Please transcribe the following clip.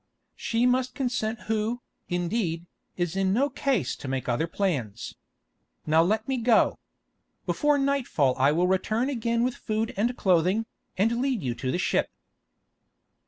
"She must consent who, indeed, is in no case to make other plans. Now let me go. Before nightfall I will return again with food and clothing, and lead you to the ship."